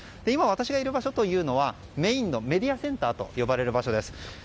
今、私がいる場所はメインのメディアセンターと呼ばれる場所です。